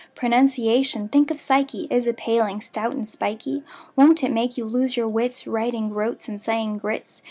Pronunciation—think of psyche!— Is a paling, stout and spikey; Won't it make you lose your wits, Writing "groats" and saying groats?